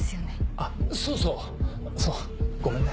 あっそうそうそうごめんね。